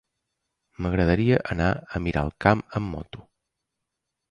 M'agradaria anar a Miralcamp amb moto.